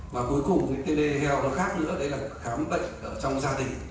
và cuối cùng cái telehealth nó khác nữa đấy là khám bệnh trong gia đình